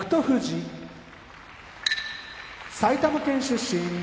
富士埼玉県出身